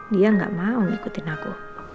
dia enggak mau ikutin aku